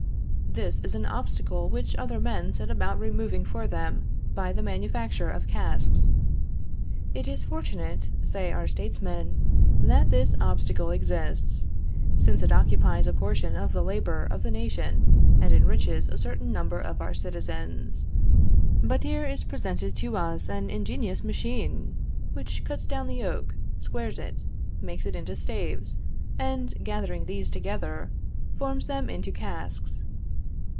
This is an obstacle which other men set about removing for them by the manufacture of casks. It is fortunate, say our statesmen, that this obstacle exists, since it occupies a portion of the labor of the nation, and enriches a certain number of our citizens. But here is presented to us an ingenious machine, which cuts down the oak, squares it, makes it into staves, and, gathering these together, forms them into casks.